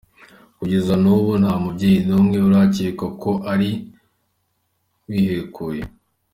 Kugeza n’ubu nta mubyeyi n’umwe urakekwa ko ari wihekuye.